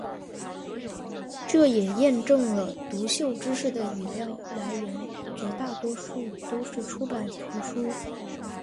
这也验证了读秀知识的语料来源绝大多数都是出版图书。